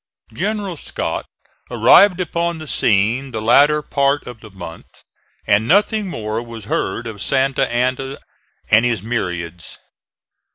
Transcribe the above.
General Scott arrived upon the scene the latter part of the month, and nothing more was heard of Santa Anna and his myriads.